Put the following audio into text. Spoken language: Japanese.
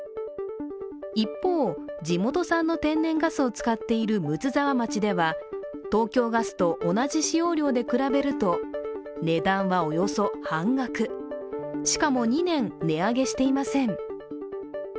一方、地元産の天然ガスを使っている睦沢町では、東京ガスと同じ使用量で比べると値段はおよそ半額しかも２年値上げしていません。